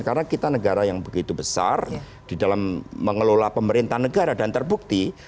karena kita negara yang begitu besar di dalam mengelola pemerintah negara dan terbukti